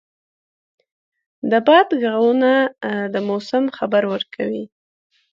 د باد ږغونه د موسم خبر ورکوي.